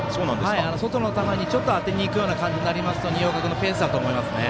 外の球に当てにいく感じになりますと新岡君のペースだと思います。